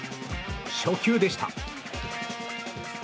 初球でした。